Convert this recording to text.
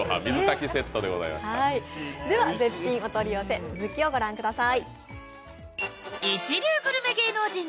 絶品お取り寄せ、続きを御覧ください。